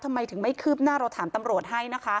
ทำไมถึงไม่คืบหน้าเราถามตำรวจให้นะคะ